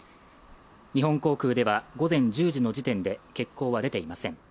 日本航空では、午前１０時の時点で結構は出ていません。